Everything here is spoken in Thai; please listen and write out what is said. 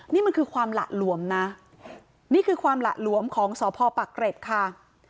นี่มันคือความหละหลวมนะนี่คือความหละหลวมของสพปักเกร็ดค่ะ